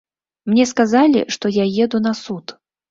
Мне сказалі, што я еду на суд.